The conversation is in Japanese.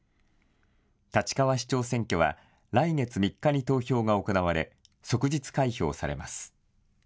立川市長選挙は来月３日に投票が行われ即日開票されます。